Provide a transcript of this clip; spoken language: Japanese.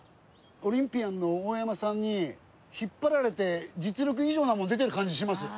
オリンピアンの大山さんに引っ張られて実力以上のものが出ている感じがします。